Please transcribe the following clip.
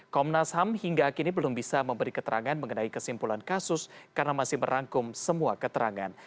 komnas ham hingga kini belum bisa memberi keterangan mengenai kesimpulan kasus karena masih merangkum semua keterangan